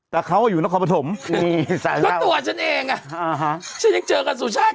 แต่เขาอยู่นครพฐมแล้วตัวฉันเองอ่ะอ่าฮะฉันยังเจอกันสู่ชาติ